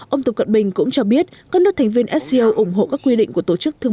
ông tập cận bình cũng cho biết các nước thành viên sco ủng hộ các quy định của tổ chức thương